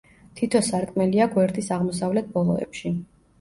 თითო სარკმელია გვერდის აღმოსავლეთ ბოლოებში.